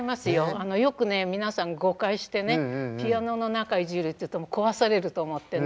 あのよくね皆さん誤解してねピアノの中いじるっていうと壊されると思ってね